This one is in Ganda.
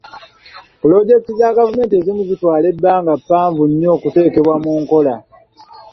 Pulojekiti za gavumenti ezimu zitwala ebbanga ggwanvu nnyo okuteekebwa mu nkola.